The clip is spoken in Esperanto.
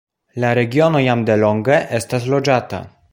La regiono jam delonge estas loĝata.